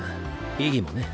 意義もね。